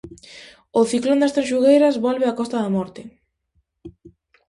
O Ciclón das Tanxugueiras volve á Costa da Morte.